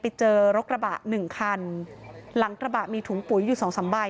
ไปเจอรถกระบะ๑คันหลังกระบะมีถุงปุ๋ยอยู่๒๓ใบ